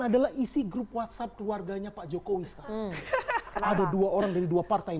adalah isi grup whatsapp keluarganya pak jokowi sekarang ada dua orang dari dua partai yang